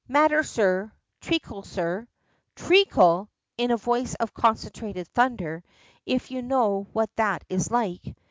"Matter, sir treacle, sir." "Treacle!" in a voice of concentrated thunder, if you know what that is like.